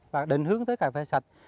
và định hướng tới cà phê sạch